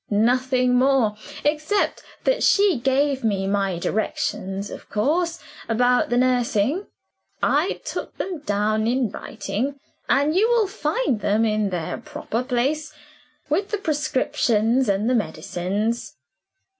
"Nothing more; except that she gave me my directions, of course, about the nursing. I took them down in writing and you will find them in their proper place, with the prescriptions and the medicines."